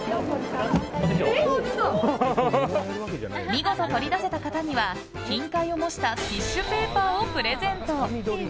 見事、取り出せた方には金塊を模したティッシュペーパーをプレゼント。